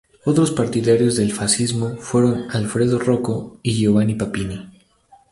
Otros partidarios del fascismo fueron Alfredo Rocco y Giovanni Papini.